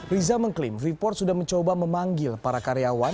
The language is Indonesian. riza mengklaim freeport sudah mencoba memanggil para karyawan